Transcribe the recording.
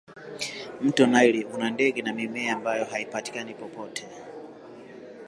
mto naili una ndege na mimea ambayo haipatikani popote